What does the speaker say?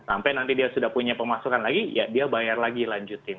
sampai nanti dia sudah punya pemasukan lagi ya dia bayar lagi lanjutin